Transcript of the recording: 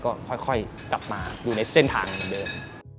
ก็ค่อยกลับมาดูในเส้นทางเหมือนเดิม